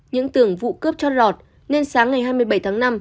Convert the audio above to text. những tưởng vụ cướp cho lọt nên sáng ngày hai mươi bảy tháng năm